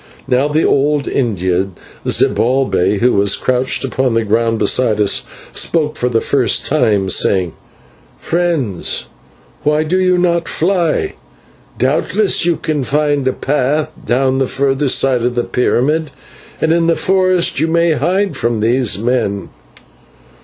Now the old Indian, Zibalbay, who was crouched upon the ground beside us, spoke for the first time, saying, "Friends, why do you not fly? Doubtless you can find a path down the further side of the pyramid, and in the forest you may hide from these men."